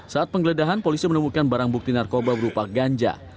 saat penggeledahan polisi menemukan barang bukti narkoba berupa ganja